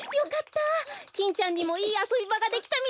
キンちゃんにもいいあそびばができたみたいです。